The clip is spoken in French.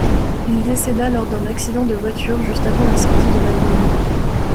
Il décéda lors d'un accident de voiture juste avant la sortie de l'album.